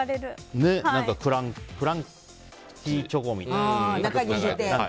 クランチーチョコみたいな。